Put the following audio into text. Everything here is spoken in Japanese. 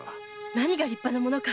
何が立派なものか。